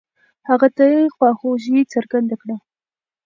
هغه ته يې خواخوږي څرګنده کړه.